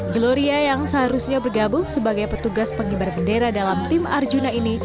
gloria yang seharusnya bergabung sebagai petugas pengibar bendera dalam tim arjuna ini